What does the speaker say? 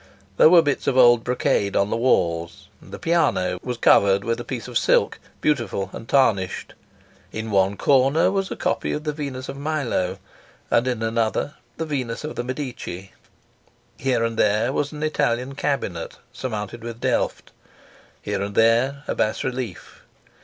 There were bits of old brocade on the walls, and the piano was covered with a piece of silk, beautiful and tarnished; in one corner was a copy of the Venus of Milo, and in another of the Venus of the Medici. Here and there was an Italian cabinet surmounted with Delft, and here and there a bas relief.